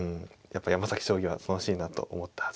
やっぱり山崎将棋は楽しいなと思ったはずですね。